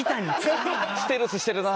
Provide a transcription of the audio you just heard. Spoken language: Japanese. ステルスしてるなぁ。